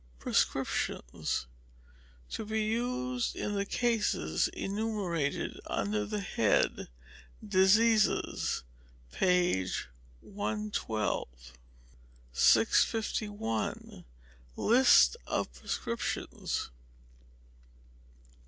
Prescriptions. To be used in the Cases enumerated under the head "Diseases" (page 112). 651. List of Prescriptions.